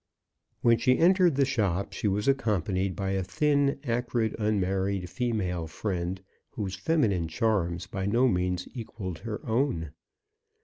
When she entered the shop, she was accompanied by a thin, acrid, unmarried female friend, whose feminine charms by no means equalled her own.